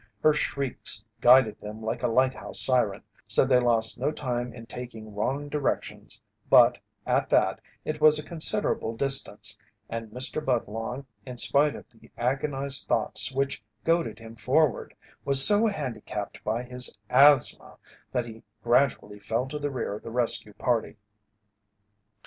Her shrieks guided them like a lighthouse siren, so they lost no time in taking wrong directions but, at that, it was a considerable distance and Mr. Budlong, in spite of the agonized thoughts which goaded him forward, was so handicapped by his asthma that he gradually fell to the rear of the rescue party.